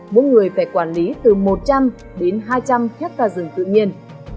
mỗi người phải quản lý từ một trăm linh đến hai trăm linh hectare rừng tự nhiên